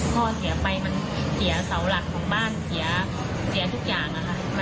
พ่อเสียไปมันเสียเสาหลักของบ้านเสียทุกอย่างค่ะ